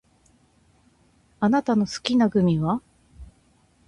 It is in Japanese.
あなたの好きなグミは？